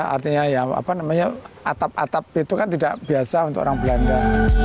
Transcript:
artinya ya apa namanya atap atap itu kan tidak biasa untuk orang belanda